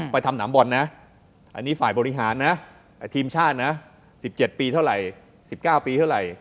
ไปทำหนามบอลนะอันนี้ฝ่ายบริหารนะทีมชาตินะ๑๗ปีเท่าไหร่๑๙ปีเท่าไหร่